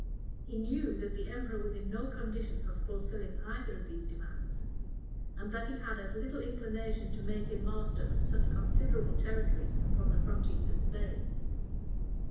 He knew that the emperor was in no condition of fulfilling either of these demands; and that he had as little inclination to make him master of such considerable territories upon the frontiers of Spain.